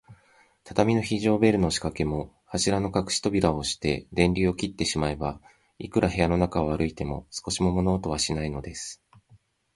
畳の非常ベルのしかけも、柱のかくしボタンをおして、電流を切ってしまえば、いくら部屋の中を歩いても、少しも物音はしないのです。